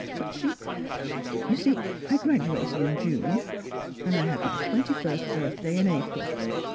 But she — You see I graduated in June, and I had my twenty first birthday in April.